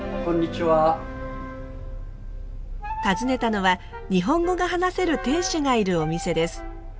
訪ねたのは日本語が話せる店主がいるお店です。